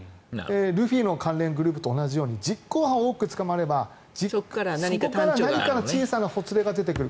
ルフィの関連グループと同じように実行犯が多く捕まればそこから何か小さなほつれが出てくる。